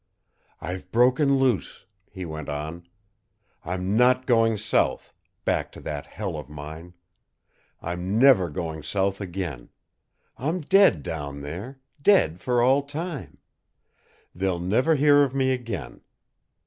"I've broken loose," he went on. "I'm not going south back to that hell of mine. I'm never going south again. I'm dead down there dead for all time. They'll never hear of me again.